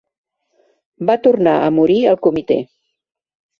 Va tornar a morir al comitè.